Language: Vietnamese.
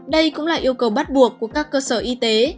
đây cũng là yêu cầu bắt buộc của các cơ sở y tế